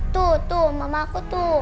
tuh tuh mama aku tuh